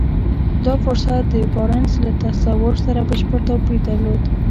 دا فرصت د بارنس له تصور سره بشپړ توپير درلود.